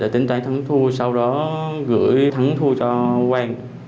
tính toán thắng thua sau đó gửi thắng thua cho quang